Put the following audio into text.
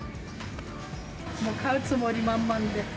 買うつもり満々で。